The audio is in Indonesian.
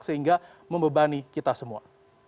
sehingga membebani kita semua